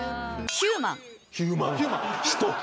ヒューマン人？